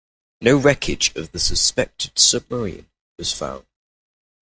No wreckage of the suspected submarine was found.